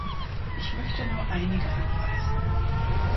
Ich möchte nur einige anreißen.